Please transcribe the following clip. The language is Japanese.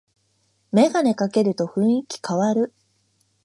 メガネかけると雰囲気かわる